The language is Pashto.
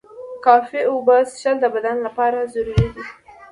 کافی اوبه څښل د بدن لپاره ضروري دي.